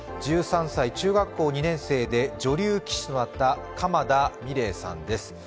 １３歳、中学校２年生で女流棋士となった鎌田美礼さんです。